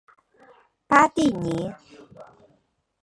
巴蒂尼。